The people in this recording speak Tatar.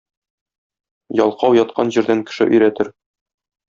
Ялкау яткан җирдән кеше өйрәтер.